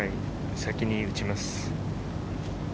先に打ちます。